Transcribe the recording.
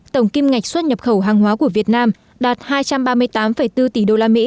tổng kim ngạch xuất nhập khẩu hàng hóa của việt nam đạt hai trăm ba mươi tám bốn tỷ đô la mỹ